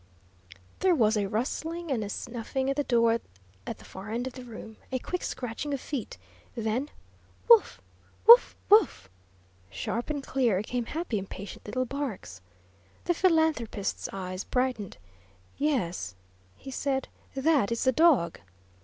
There was a rustling and a snuffing at the door at the far end of the room, a quick scratching of feet. Then: "Woof! woof! woof!" sharp and clear came happy impatient little barks. The philanthropist's eyes brightened. "Yes," he said, "that is the dog."